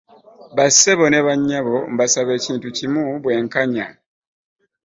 Ba ssebo ne bannyabo mbasaba kintu kimu bwenkanya.